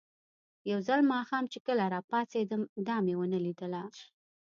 یو ځل ماښام چې کله راپاڅېدم، دا مې ونه لیدله.